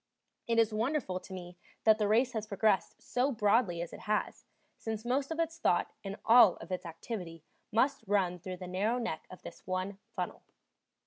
It is wonderful to me that the race has progressed so broadly as it has, since most of its thought and all of its activity must run through the narrow neck of this one funnel.